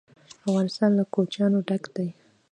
افغانستان له کوچیان ډک دی.